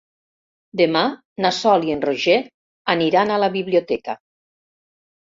Demà na Sol i en Roger aniran a la biblioteca.